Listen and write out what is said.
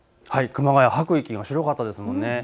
熊谷、吐く息が白かったですね。